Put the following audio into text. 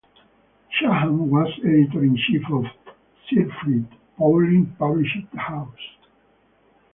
Shaham was editor-in-chief of Sifriat Poalim Publishing House.